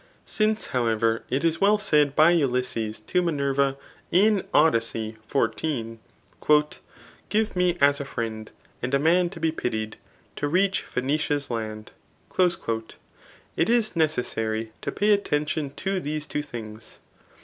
Since, however, it is well said [by Ulysses to Minerva, in Odyss. 14,] Give me as a friend, and a man to be pitied, to reach Phceacia's land," it is necessary to pay attention to these two things.